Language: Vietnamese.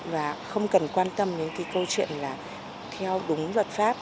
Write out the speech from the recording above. và không cần quan tâm đến cái câu chuyện là theo đúng luật pháp